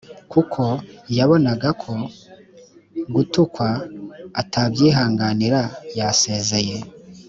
kuko yabonaga ko gutukwa atabyihanganira yasezeye